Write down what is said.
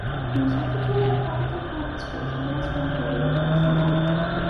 He was educated at public and private schools in the Westmount area of Montreal.